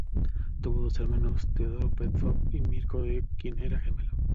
Tuvo dos hermanos: Teodoro Petkoff y Mirko de quien era gemelo.